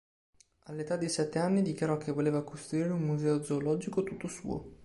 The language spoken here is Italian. All'età di sette anni, dichiarò che voleva costruire un museo zoologico tutto suo.